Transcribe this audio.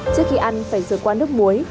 trước khi ăn phải rửa qua nước muối